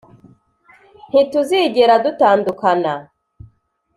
ntituzigera dutandukana.